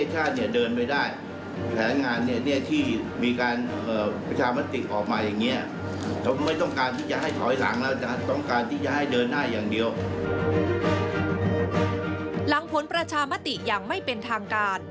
หลังผลประชามติอย่างไม่เป็นทางการ